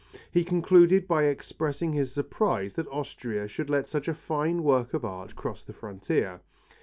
He concluded by expressing his surprise that Austria should let such a fine work of art cross the frontier.